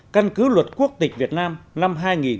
căn cứ luật quốc tịch việt nam năm hai nghìn tám